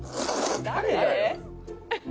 誰？